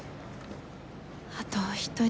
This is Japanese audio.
あとお一人。